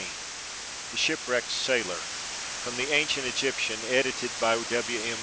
THE SHIPWRECKED SAILOR FROM THE ANCIENT EGYPTIAN, EDITED BY W. M.